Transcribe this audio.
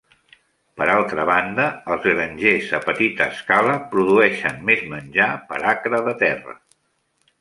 Per altra banda, els grangers a petita escala produeixen més menjar per acre de terra.